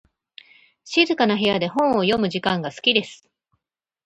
静かな部屋で本を読む時間が好きです。